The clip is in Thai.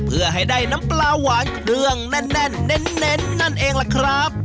เพื่อให้ได้น้ำปลาหวานเครื่องแน่นเน้นนั่นเองล่ะครับ